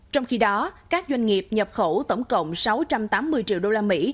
trong khi đó các doanh nghiệp nhập khẩu tổng cộng sáu trăm tám mươi triệu đô la mỹ